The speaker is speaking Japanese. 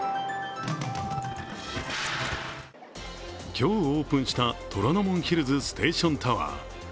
今日オープンした虎の門ヒルズステーションタワー。